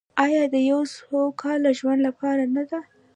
آیا د یو سوکاله ژوند لپاره نه ده؟